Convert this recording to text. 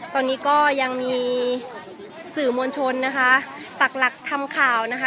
ตอนนี้ก็ยังมีสื่อมวลชนนะคะปักหลักทำข่าวนะคะ